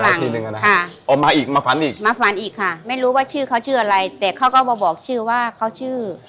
อีกทีหนึ่งอ่ะนะคะเอามาอีกมาฝันอีกมาฝันอีกค่ะไม่รู้ว่าชื่อเขาชื่ออะไรแต่เขาก็มาบอกชื่อว่าเขาชื่อ